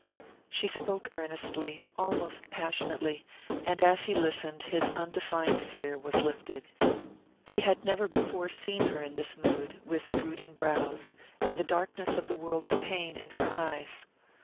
She spoke earnestly, almost passionately, and as he listened his undefined fear was lifted. He had never before seen her in this mood, with brooding brows, and the darkness of the world's pain in her eyes.